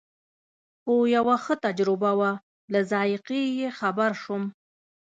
خو یوه ښه تجربه وه له ذایقې یې خبر شوم.